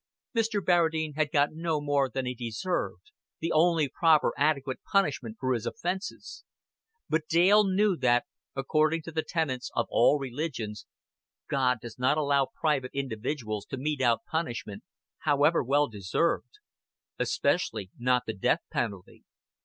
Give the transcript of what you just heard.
Mr. Barradine had got no more than he deserved, the only proper adequate punishment for his offenses; but Dale knew that, according to the tenets of all religions, God does not allow private individuals to mete out punishment, however well deserved especially not the death penalty.